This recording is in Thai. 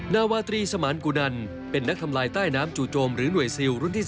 นาวาตรีสมานกุนันเป็นนักทำลายใต้น้ำจู่โจมหรือหน่วยซิลรุ่นที่๓